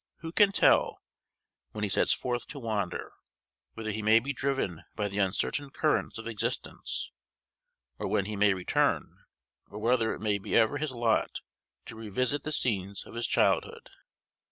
Who can tell, when he sets forth to wander, whither he may be driven by the uncertain currents of existence; or when he may return; or whether it may be ever his lot to revisit the scenes of his childhood?